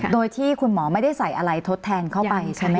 โดยที่คุณหมอไม่ได้ใส่อะไรทดแทนเข้าไปใช่ไหม